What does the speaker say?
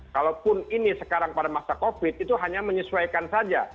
kalaupun ini sekarang pada masa covid itu hanya menyesuaikan saja